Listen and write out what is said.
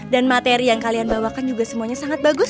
dan materi yang kalian bawakan juga semuanya sangat bagus